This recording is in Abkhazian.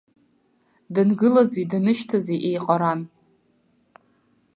Дангылази данышьҭази еиҟаран.